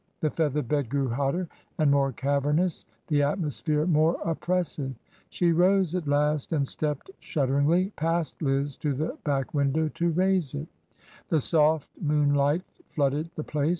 The feather bed grew hotter and more cavernous, the atmosphere more oppressive. She rose at last and stepped, shudderingly, past Liz to the back win dow to raise it. WEIGHED IN THE BALANCE 31 The soft moonlight flooded the place.